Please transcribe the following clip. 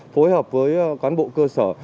phối hợp với cán bộ cơ sở